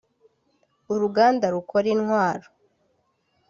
uruganda rukora intwaro